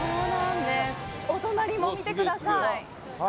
お隣も見てください。